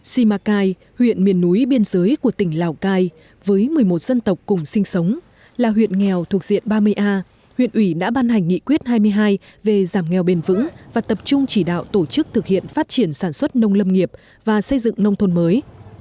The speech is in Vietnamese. simacai huyện miền núi biên giới của tỉnh lào cai với một mươi một dân tộc cùng sinh sống là huyện nghèo thuộc diện ba mươi a huyện ủy đã ban hành nghị quyết hai mươi hai về giảm nghèo bền vững và tập trung chỉ đạo tổ chức thực hiện phát triển sản xuất nông lâm nghiệp và xây dựng nông thôn mới